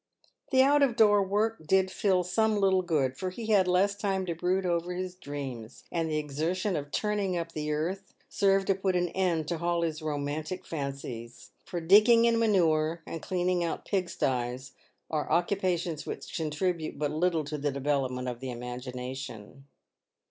The out door work did Phil some little good, for he had less time to brood over his dreams, and the exertion of turning up the earth served to put an end to all his romantic fancies ; for digging in manure and cleaning out pigsties are occupations which contribute but little to the development of the imagination.